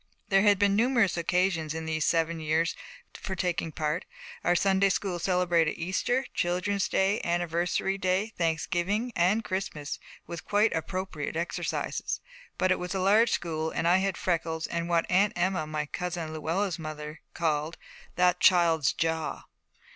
There had been numerous occasions in these seven years for taking part: our Sunday school celebrated Easter, Children's Day, Anniversary Day, Thanksgiving, and Christmas, with quite appropriate exercises. But it was a large school, and I had freckles and what Aunt Emma, my cousin Luella's mother, called 'that child's jaw.'